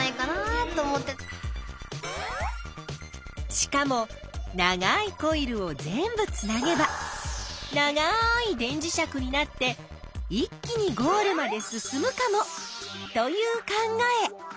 しかも長いコイルを全部つなげば長い電磁石になって一気にゴールまで進むかも！という考え！